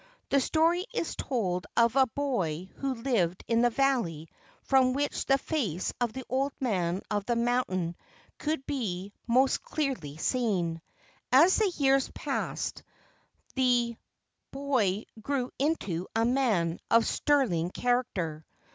The story is told of a boy who lived in the valley from which the face of the Old Man of the Mountain could be most clearly seen. As the years passed, the boy grew into a man of sterling character.